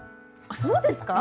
あっそうですか？